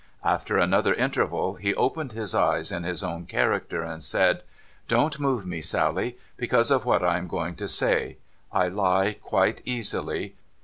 After another interval, he opened his eyes in his own character, and said :* Don't move me, Sally, because of what I am going to say ; I lie quite easily.